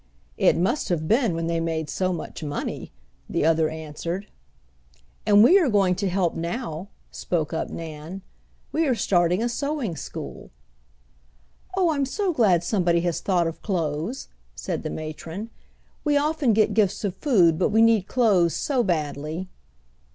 "It must have been, when they made so much money," the other answered. "And we are going to help now," spoke up Nan. "We are starting a sewing school." "Oh, I'm so glad somebody has thought of clothes," said the matron. "We often get gifts of food, but we need clothes so badly."